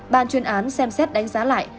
bàn chuyên án xem xét đánh giá lại